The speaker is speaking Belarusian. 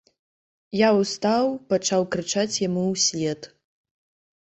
Я устаў, пачаў крычаць яму ўслед.